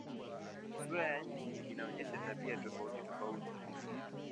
Sura ya nchi inaonyesha tabia tofautitofauti.